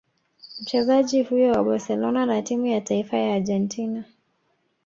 Mchezaji huyo wa Barcelona na timu ya taifa ya Argentina